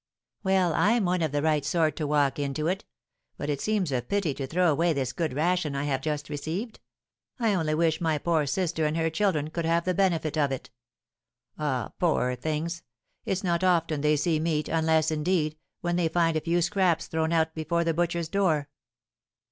"Well, I'm one of the right sort to walk into it. But it seems a pity to throw away this good ration I have just received! I only wish my poor sister and her children could have the benefit of it. Ah, poor things! It's not often they see meat, unless, indeed, when they find a few scraps thrown out before the butcher's door."